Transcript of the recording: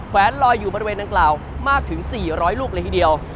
แวนลอยอยู่บริเวณดังกล่าวมากถึง๔๐๐ลูกเลยทีเดียว